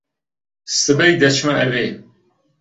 سبەی دەچمە ئەوێ.